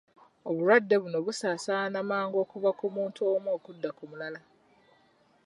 Obulwadde buno busaasaana mangu okuva ku muntu omu okudda ku mulala.